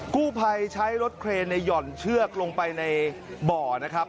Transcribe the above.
กู้ภัยใช้รถเครนในห่อนเชือกลงไปในบ่อนะครับ